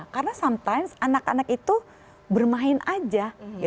karena kadang kadang anak anak itu bermain saja